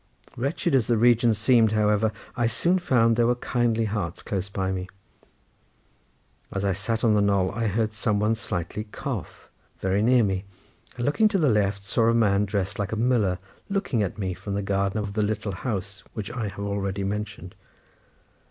Wretched as the region seemed, however, I soon found there were kindly hearts close by me. As I sat on the knoll I heard some one slightly cough very near me, and looking to the left saw a man dressed like a miller looking at me from the garden of the little house, which I have already mentioned.